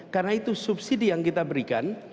karena itu subsidi yang kita berikan